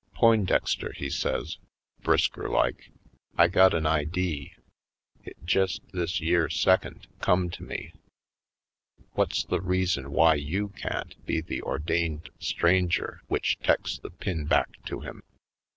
"Poindexter," he says, brisker like, "I got an idee — it jest this yere secont come to me: Whut's the reason w'y you can't be the ordained stranger w'ich teks the pin back to him?